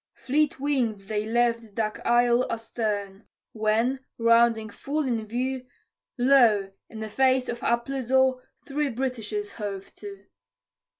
Fleet wing'd they left Duck Isle astern; when, rounding full in view, Lo! in the face of Appledore three Britishers hove to.